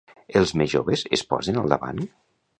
Els més joves es posen al davant?